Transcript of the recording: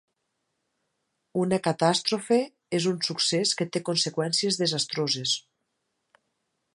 Una catàstrofe és un succés que té conseqüències desastroses.